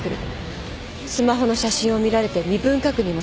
スマホの写真を見られて身分確認もされる。